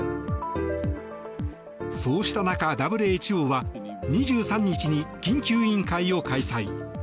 そうした中、ＷＨＯは２３日に緊急委員会を開催。